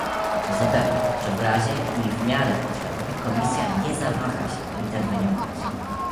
Zapewniam, że w razie i w miarę potrzeby Komisja nie zawaha się interweniować